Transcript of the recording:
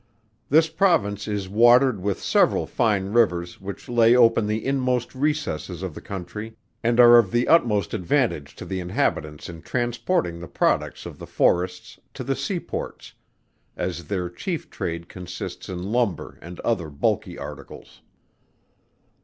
This Province is watered with several fine rivers which lay open the inmost recesses of the country, and are of the utmost advantage to the inhabitants in transporting the products of the forests to the seaports, as their chief trade consists in lumber and other bulky articles.